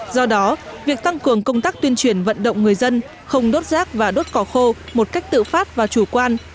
do đó việc tăng cường công tác tuyên truyền vận động người dân không đốt rác và đốt cỏ khô một cách tự phát và chủ quan